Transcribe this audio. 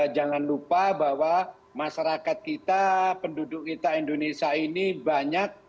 jangan lupa bahwa masyarakat kita penduduk kita indonesia ini banyak